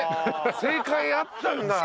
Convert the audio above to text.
正解あったんだ。